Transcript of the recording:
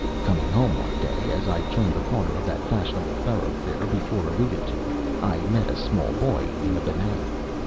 Coming home one day, as I turned the corner of that fashionable thoroughfare before alluded to, I met a small boy eating a banana.